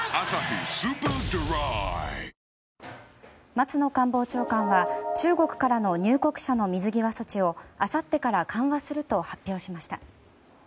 松野官房長官は中国からの入国者の水際措置をあさってから緩和すると発表しました。